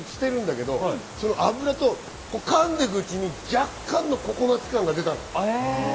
その脂と噛んでいくうちに若干、ココナツ感が出たの。